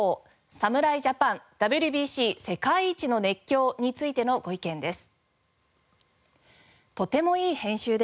侍ジャパンＷＢＣ世界一の熱狂！』についてのご意見です。